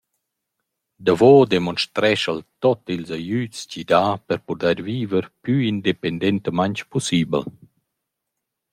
Davo demonstrescha’l tuot ils agüds chi dà per pudair viver plü independentamaing pussibel.